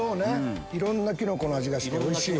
いろんなキノコの味がしておいしい。